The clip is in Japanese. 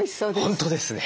本当ですね。